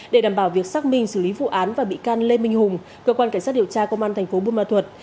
để đảm bảo việc xác minh xử lý vụ án và bị can lê minh hùng cơ quan cảnh sát điều tra công an thành phố buôn ma thuật